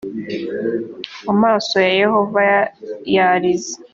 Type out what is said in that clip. amaso ya yehova yarinze